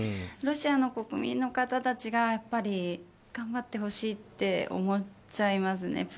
ロシアの国民の方たちが頑張ってほしいって思っちゃいますね。